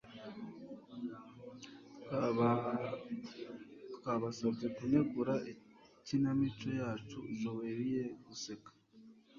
Twabasabye kunegura ikinamico yacu, Joe Riley, guseka